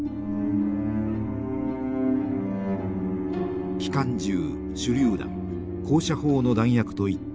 機関銃手りゅう弾高射砲の弾薬といった武器。